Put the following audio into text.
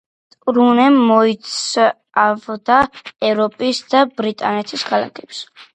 ტურნემ მოიცავდა ევროპისა და ბრიტანეთის ქალაქებს.